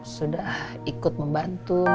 sudah ikut membantu